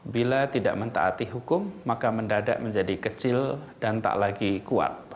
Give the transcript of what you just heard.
bila tidak mentaati hukum maka mendadak menjadi kecil dan tak lagi kuat